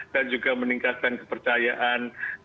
dan juga meningkatkan kepercayaan